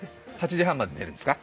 ８時半まで寝るんですか。